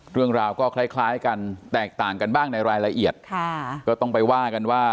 เอ่อเรื่องราวก็คล้ายกันแตกแต่งกันบ้างในรายละเอียดก็ต้องไปว่ากัน